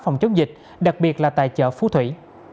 phòng chống dịch đặc biệt là tại chợ phú thủy